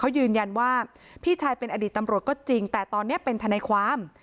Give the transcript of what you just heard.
เขายืนยันว่าพี่ชายเป็นอดีตตำรวจก็จริงแต่ตอนนี้เป็นทนายความ